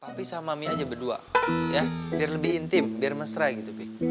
tapi sama mie aja berdua ya biar lebih intim biar mesra gitu